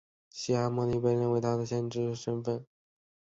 穆罕默德的文盲被认为可以认证他的先知身份。